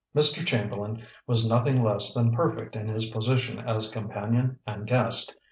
Mr. Chamberlain was nothing less than perfect in his position as companion and guest.